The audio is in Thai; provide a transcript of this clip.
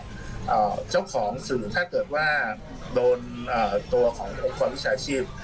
มีเจ้าของสื่อถ้าเกิดว่าโดนตัวขององค์คอนวิชาชีพ